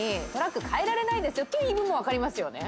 という言い分も分かりますよね。